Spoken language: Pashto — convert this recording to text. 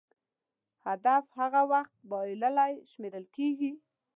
هدف هغه وخت بایللی شمېرل کېږي.